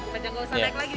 jadi nggak usah naik lagi